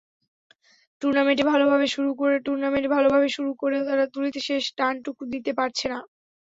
Tournament ভালোভাবে শুরু করেও তারা তুলিতে শেষ টানটুকু দিতে পারছে না।